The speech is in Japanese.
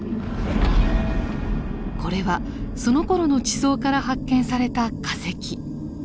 これはそのころの地層から発見された化石。